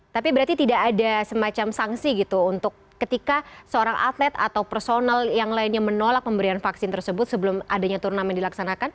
tapi berarti tidak ada semacam sanksi gitu untuk ketika seorang atlet atau personal yang lainnya menolak pemberian vaksin tersebut sebelum adanya turnamen dilaksanakan